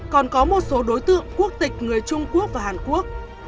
còn có một số đối tượng quốc tịch người trung quốc và hàn quốc